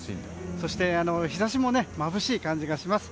そして、日差しもまぶしい感じがします。